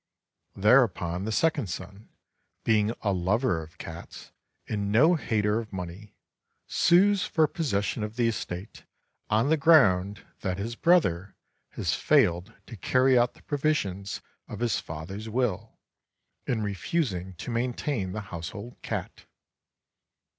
Thereupon, the second son, being a lover of cats and no hater of money, sues for possession of the estate on the ground that his brother has failed to carry out the provisions of his father's will, in refusing to maintain the household cat.